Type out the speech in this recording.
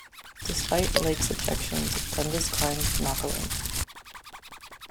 Despite Lake's objections, Dundas climbed Knockaulin.